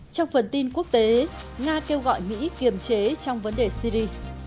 trong phần tin quốc tế nga kêu gọi mỹ kiềm chế trong vấn đề syri